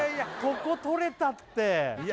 こことれたって！